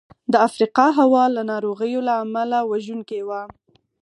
د افریقا هوا له ناروغیو له امله وژونکې وه.